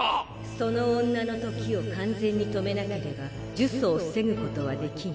その女の時を完全に止めなければ呪詛を防ぐことはできぬ。